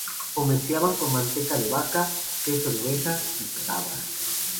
Comerciaban con manteca de vaca, queso de oveja y cabra.